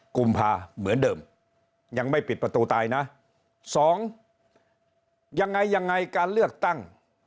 กุมภาเหมือนเดิมยังไม่ปิดประตูตายนะ๒ยังไงยังไงการเลือกตั้ง